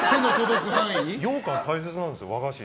ようかん、大切なんですよ